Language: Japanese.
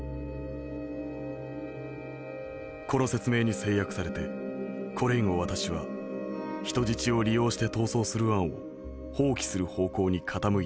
この説明に制約されてこれ以後私は人質を利用して逃走する案を放棄する方向に傾いていく」。